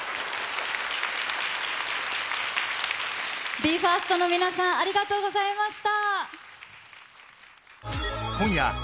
ＢＥ：ＦＩＲＳＴの皆さん、ありがとうございました。